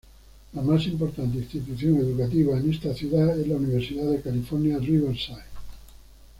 La más importante institución educativa en esta ciudad es la Universidad de California, Riverside.